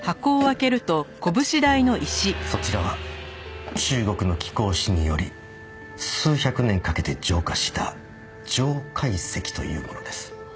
そちらは中国の気功師により数百年かけて浄化した浄界石というものです。